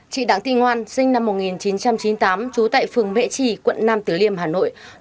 chị đảng tị ngoan sinh năm một nghìn chín trăm chín mươi tám trú tại phường vệ trì quận nam tử liêm hà nội